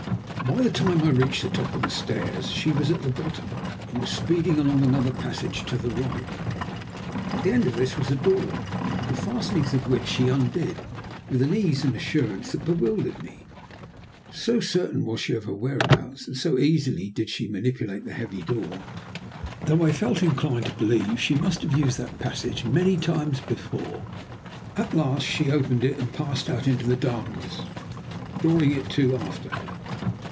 By the time I reached the top of the stairs she was at the bottom, and was speeding along another passage to the right. At the end of this was a door, the fastenings of which she undid, with an ease and assurance that bewildered me. So certain was she of her whereabouts, and so easily did she manipulate the heavy door, that I felt inclined to believe that she must have used that passage many times before. At last she opened it and passed out into the darkness, drawing it to after her.